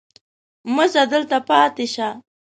مه ځه دلته پاتې شه.